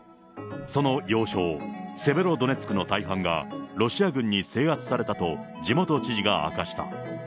その要衝、セベロドネツクの大半がロシア軍に制圧されたと地元知事が明かした。